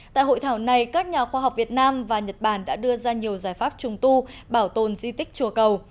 tại hội thảo này các nhà khoa học việt nam và nhật bản đã đưa ra nhiều giải pháp trùng tu bảo tồn di tích chùa cầu